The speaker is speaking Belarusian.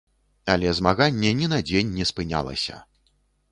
Але змаганне ні на дзень не спынялася.